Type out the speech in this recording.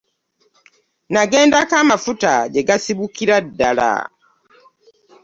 Nagendako amafuta gye gasibukira ddala.